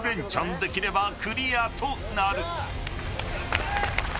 できればクリアとなる。